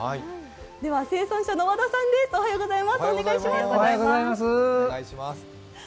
では、生産者の和田さんです、おはようございます。